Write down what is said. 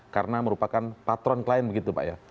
karena merupakan patron klien begitu pak ya